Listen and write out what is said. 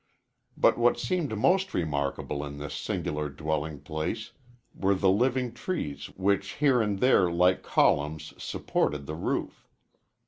But what seemed most remarkable in this singular dwelling place were the living trees which here and there like columns supported the roof.